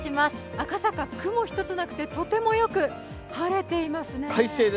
赤坂、雲一つなくてとてもよく晴れていますね。